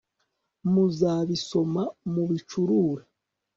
muzabisoma mubicurure